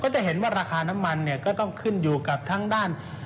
จะเห็นว่าราคาน้ำมันเนี่ยก็ต้องขึ้นอยู่กับทางด้าน